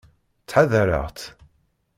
Ttḥadareɣ-tt.